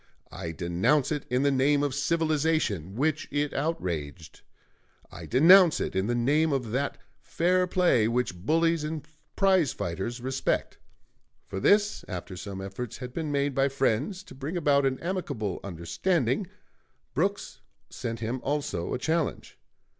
I denounce it in the name of civilization, which it outraged. I denounce it in the name of that fair play which bullies and prize fighters respect." For this, after some efforts had been made by friends to bring about an amicable understanding, Brooks sent him also a challenge.